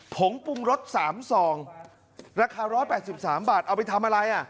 ผงปุ้งรส๓สองราคา๑๘๓บาทเอาไปทำอะไร